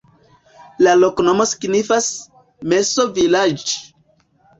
La loknomo signifas: meso-vilaĝ'.